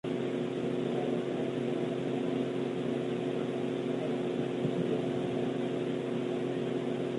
El agua colapsó la isla Hennepin, causando que un trozo de cayese al río.